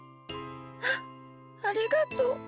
あっありがとう。